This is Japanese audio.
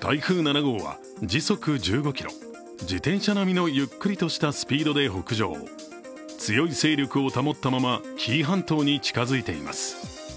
台風７号は時速１５キロ自転車並みのゆっくりとしたスピードで北上強い勢力を保ったまま紀伊半島に近付いています。